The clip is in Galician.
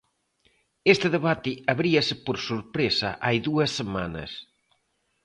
Este debate abríase por sorpresa hai dúas semanas.